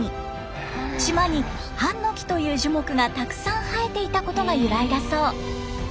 島にハンノキという樹木がたくさん生えていたことが由来だそう。